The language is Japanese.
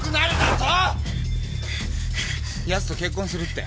ヤツと結婚するって？